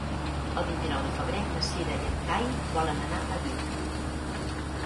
El vint-i-nou de febrer na Cira i en Cai volen anar a Vic.